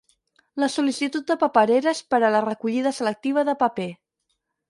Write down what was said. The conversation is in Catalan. La sol·licitud de papereres per a la recollida selectiva de paper.